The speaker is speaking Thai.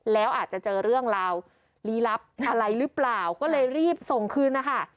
แล้วอาจจะเจอเรื่องราวลี้ลับอะไรหรือเปล่าก็เลยรีบส่งคืนนะคะ